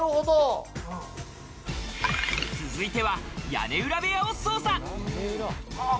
続いては屋根裏部屋を捜査。